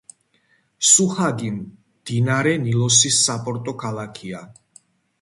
სუჰაგი მდინარე ნილოსის საპორტო ქალაქია.